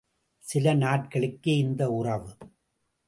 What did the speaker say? சில நாட்களுக்கே இந்த உறவு!